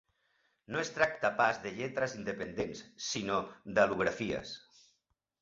No es tracta pas de lletres independents, sinó d'al·lografies.